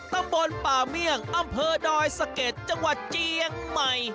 ตำบลป่าเมี่ยงอำเภอดอยสะเก็ดจังหวัดเจียงใหม่